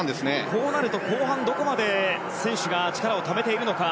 こうなると後半、どこまで選手が力をためているのか。